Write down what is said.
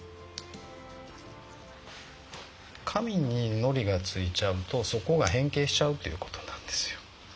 紙にのりがついちゃうとそこが変形しちゃうっていう事なんですよ。